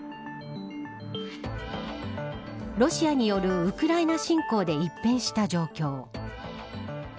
ロシアによるウクライナ侵攻で一変した状況。